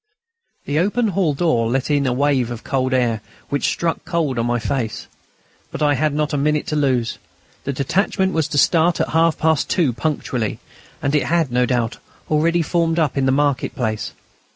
The open hall door let in a wave of cold air, which struck cold on my face. But I had not a minute to lose. The detachment was to start at half past two punctually, and it had, no doubt, already formed up in the market place.